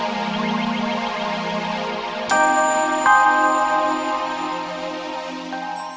berlangganan menulis sehat